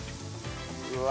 うわ！